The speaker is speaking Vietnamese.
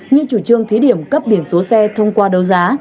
như chủ trương thí điểm cấp biển số xe thông qua đấu giá